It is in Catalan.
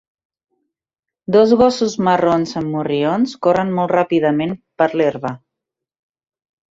Dos gossos marrons amb morrions corren molt ràpidament per l'herba.